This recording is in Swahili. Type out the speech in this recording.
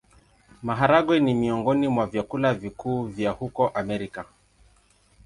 Maharagwe ni miongoni mwa vyakula vikuu vya huko Amerika.